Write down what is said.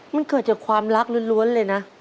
มันเกิดจากความรักล้วนเลยนะ